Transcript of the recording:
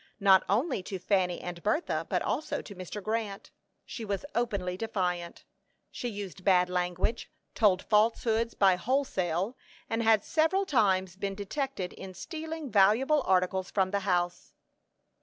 Not only to Fanny and Bertha, but also to Mr. Grant, she was openly defiant. She used bad language, told falsehoods by wholesale, and had several times been detected in stealing valuable articles from the house.